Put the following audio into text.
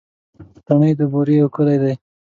ټټۍ د بوري يو کلی دی.